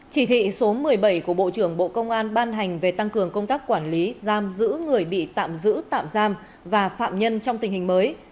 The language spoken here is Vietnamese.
chỉ thị số một mươi bảy của bộ trưởng bộ công an ban hành về tăng cường công tác quản lý giam giữ người bị tạm giữ tạm giam và phạm nhân trong tình hình mới